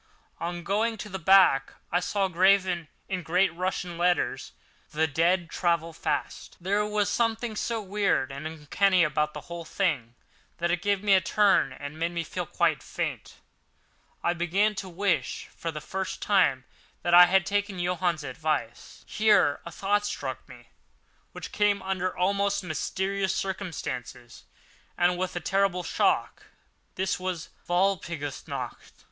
On going to the back I saw, graven in great Russian letters: "The dead travel fast." There was something so weird and uncanny about the whole thing that it gave me a turn and made me feel quite faint. I began to wish, for the first time, that I had taken Johann's advice. Here a thought struck me, which came under almost mysterious circumstances and with a terrible shock. This was Walpurgis Night!